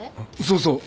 そうそう。